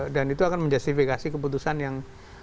dan itu akan menjustifikasi keputusan yang